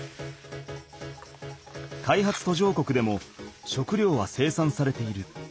開発途上国でも食料は生産されている。